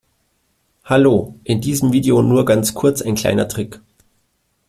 Hallo, in diesem Video nur ganz kurz ein kleiner Trick.